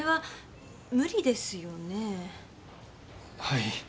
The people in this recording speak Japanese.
はい。